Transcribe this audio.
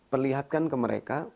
perlihatkan ke mereka